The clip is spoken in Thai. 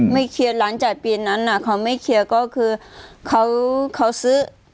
ไม่เคลียร์ร้านจ่ายปีนั้นเขาไม่เคลียร์ก็คือเขาซื้อ